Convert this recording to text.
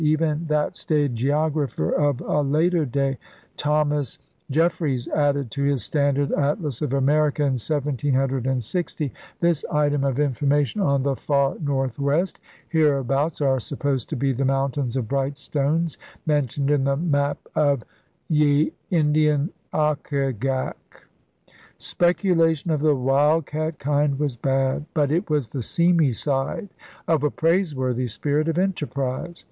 Even that staid geographer of a later day, Thos. 66 ELIZABETHAN SEA DOGS Jeffreys, added to his standard atlas of America, in 1760, this item of information on the Far Northwest: Hereabouts are supposed to be the Mountains of Bright Stones mentioned in the Map of y^ Indian Ochagach. Speculation of the wildcat kind was bad. But it was the seamy side of a praiseworthy spirit of enterprise.